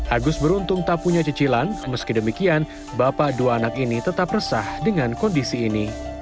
agus beruntung tak punya cicilan meski demikian bapak dua anak ini tetap resah dengan kondisi ini